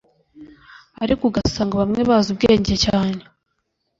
ariko ugasanga bamwe bazi ubwenge cyane